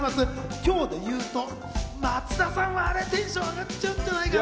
今日でいうと、あれ松田さんはテンション上がっちゃうんじゃないかな。